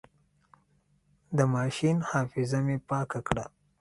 د ماشين حافظه مې پاکه کړه.